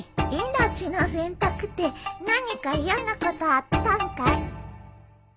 命の洗濯って何か嫌なことあったんかい？